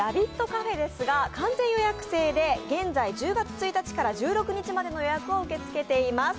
カフェですが完全予約制で現在１０月１日から１０月１６日分の予約を受け付けています。